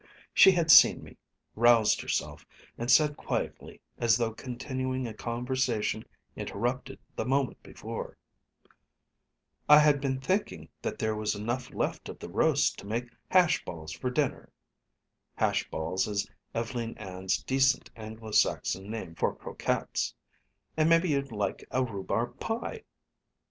She had seen me, roused herself, and said quietly, as though continuing a conversation interrupted the moment before: "I had been thinking that there was enough left of the roast to make hash balls for dinner" "hash balls" is Ev'leen Ann's decent Anglo Saxon name for croquettes "and maybe you'd like a rhubarb pie."